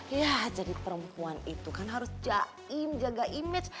ya jadi perempuan itu kan harus jaim jaga image